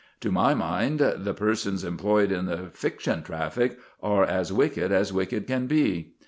To my mind, the persons employed in the fiction traffic are as wicked as wicked can be.